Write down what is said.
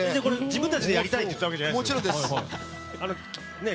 自分たちでやりたいって言ったわけじゃないですよね？